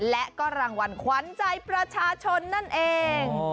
และก็รางวัลขวัญใจประชาชนนั่นเอง